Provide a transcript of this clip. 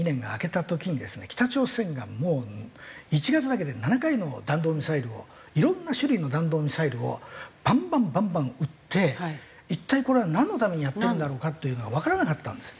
北朝鮮がもう１月だけで７回の弾道ミサイルをいろんな種類の弾道ミサイルをバンバンバンバン打って一体これはなんのためにやってるんだろうかというのがわからなかったんです。